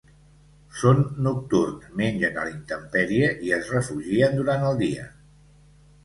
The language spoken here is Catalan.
Són nocturns, mengen a la intempèrie i es refugien durant el dia.